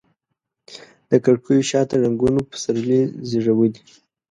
د کړکېو شاته رنګونو پسرلي زیږولي